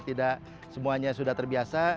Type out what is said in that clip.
tidak semuanya sudah terbiasa